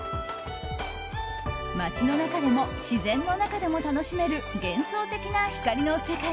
街の中でも自然の中でも楽しめる幻想的な光の世界。